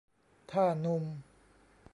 ถ้าหนุ่ม